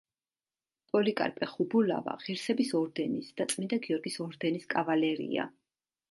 პოლიკარპე ხუბულავა ღირსების ორდენის და წმინდა გიორგის ორდენის კავალერია.